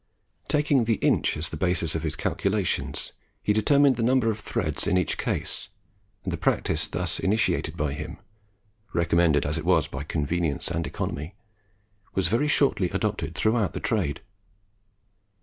Taking the inch as the basis of his calculations, he determined the number of threads in each case; and the practice thus initiated by him, recommended as it was by convenience and economy, was very shortly adopted throughout the trade.